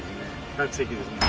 落石ですね。